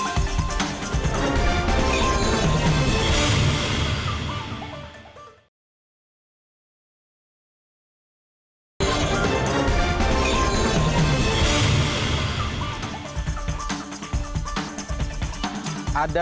tidak ada yang ada